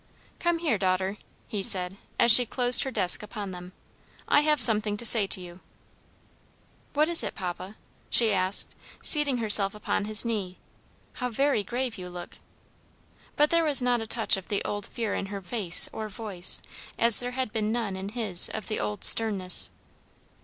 "Come here, daughter," he said, as she closed her desk upon them, "I have something to say to you." "What is it, papa?" she asked, seating herself upon his knee. "How very grave you look." But there was not a touch of the old fear in her face or voice, as there had been none in his of the old sternness.